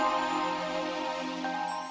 sebenernya langsung settee